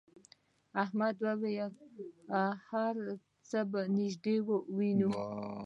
احمد وویل هر څه به نږدې ووینې.